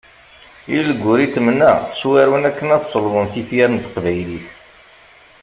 Ilguritment-a ttwaru akken selḍen tifyar n teqbaylit.